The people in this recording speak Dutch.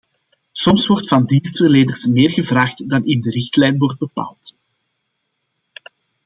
Soms wordt van dienstverleners meer gevraagd dan in de richtlijn wordt bepaald.